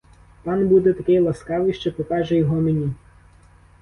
Пан буде такий ласкавий, що покаже його мені?